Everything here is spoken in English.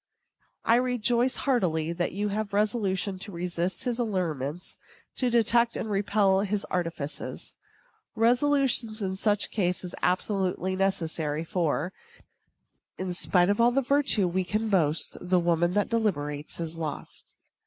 I rejoice, heartily, that you have had resolution to resist his allurements, to detect and repel his artifices. Resolution in such a case is absolutely necessary; for, "In spite of all the virtue we can boast, The woman that deliberates is lost."